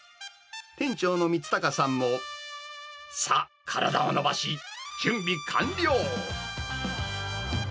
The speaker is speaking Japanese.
店長の光隆さんも、さあ、体を伸ばし、準備完了。